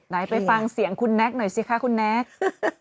ไปฟังเสียงคุณแน็กหน่อยสิคะคุณแน็ก